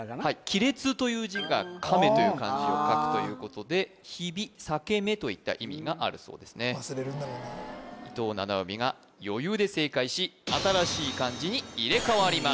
亀裂という字が亀という漢字を書くということでひびさけめといった意味があるそうですね忘れるんだろうな伊藤七海が余裕で正解し新しい漢字に入れ替わります